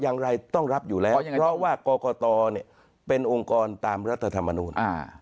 อย่างไรต้องรับอยู่แล้วเพราะว่ากรกตเป็นองค์กรตามรัฐธรรมนูล